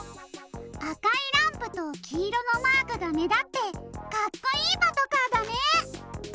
あかいランプときいろのマークがめだってかっこいいパトカーだね！